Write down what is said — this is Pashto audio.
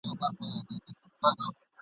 لمر کرار کرار نیژدې سو د غره خواته !.